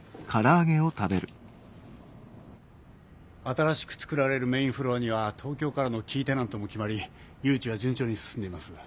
新しく作られるメインフロアには東京からのキーテナントも決まり誘致は順調に進んでいます。